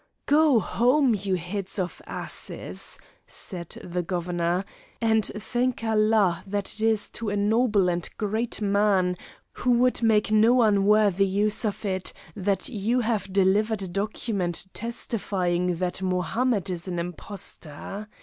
"Go home, you heads of asses," said the Governor, "and thank Allah that it is to a noble and a great man who would make no unworthy use of it that you have delivered a document testifying that Mohammed is an impostor.